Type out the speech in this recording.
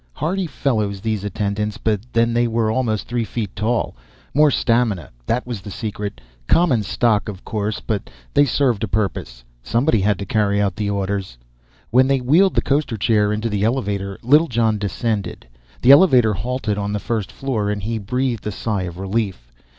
Hardy fellows, these attendants, but then they were almost three feet tall. More stamina, that was the secret. Common stock, of course, but they served a purpose. Somebody had to carry out orders. When they wheeled the coasterchair into the elevator, Littlejohn descended. The elevator halted on the first floor and he breathed a sigh of relief.